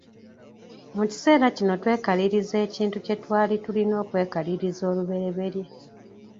Mu kiseera kino twekaliriza ekintu kye twali tulina okwekaliriza oluberyeberye.